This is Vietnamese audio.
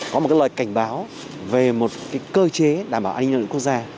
có một lời cảnh báo về một cơ chế đảm bảo an ninh lợi của quốc gia